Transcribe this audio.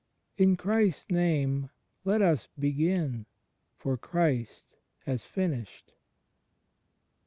In Christ's Name, let us begin. For Christ has finished.